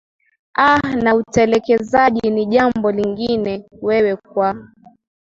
aaa na utekelezaji ni jambo lingine wewe kwa